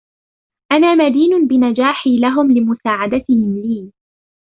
أنا مدينٌ بنجاحي لهم لمساعدتهم لي.